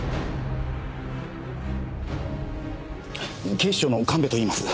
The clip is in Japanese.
警視庁の神戸といいます。